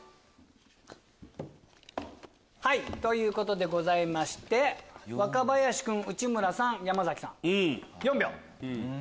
はいということで若林君内村さん山崎さん４秒。